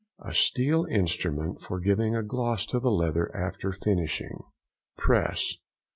—A steel instrument for giving a gloss to the leather after finishing. PRESS.